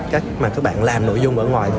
cách mà các bạn làm nội dung ở ngoài